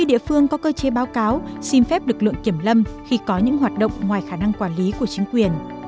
địa phương có cơ chế báo cáo xin phép lực lượng kiểm lâm khi có những hoạt động ngoài khả năng quản lý của chính quyền